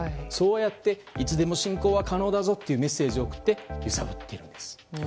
そうやっていつでも侵攻は可能だぞというメッセージを送って揺さぶっています。